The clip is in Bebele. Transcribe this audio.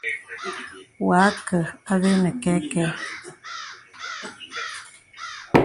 Wà àkə avɛ nə kɛ̄kɛ.